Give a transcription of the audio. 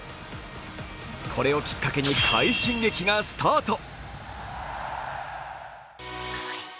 これをきっかけに快進撃がスタート。